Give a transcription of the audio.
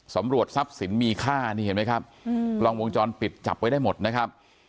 สำรวจทรัพย์สินมีค่านี่เห็นไหมครับกล้องวงจรปิดจับไว้ได้หมดนะครับ